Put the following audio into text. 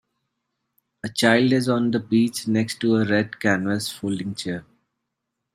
A child is on the beach next to a red canvas folding chair.